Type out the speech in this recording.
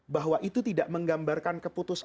bahwa itu tidak menggambarkan keputus asaan